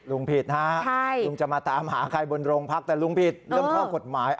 ผิดฮะลุงจะมาตามหาใครบนโรงพักแต่ลุงผิดเรื่องข้อกฎหมาย